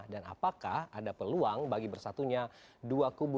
dan apakah ada peluang bagi bersatunya dua kubu